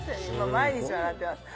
毎日笑ってます